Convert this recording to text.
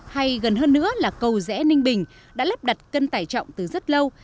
hay gần hơn nữa là cầu rẽ ninh bình đã lắp đặt cân tải trọng từ rất lâu